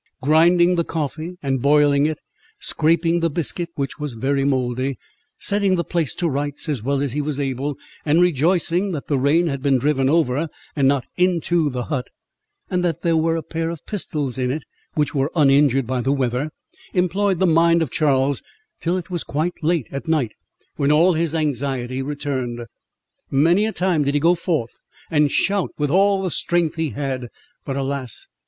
Grinding the coffee and boiling it, scraping the biscuit, which was very mouldy, setting the place to rights, as well as he was able, and rejoicing that the rain had been driven over, and not into the hut, and that there were a pair of pistols in it, which were uninjured by the weather, employed the mind of Charles till it was quite late at night, when all his anxiety returned. Many a time did he go forth, and shout with all the strength he had; but, alas!